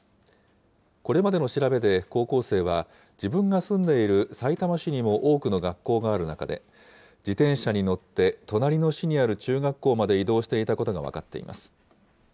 これまでの調べで、高校生は自分が住んでいるさいたま市にも多くの学校がある中で、自転車に乗って隣の市にある中学校まで移動していたことが分かっています。